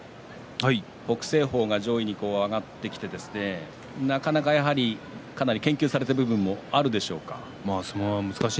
北青鵬が上位に上がってきてかなり研究されている部分はあるでしょうか？